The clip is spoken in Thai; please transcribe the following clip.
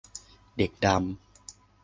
เด็กดำ